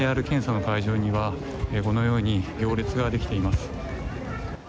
ＰＣＲ検査の会場にはこのように行列ができています。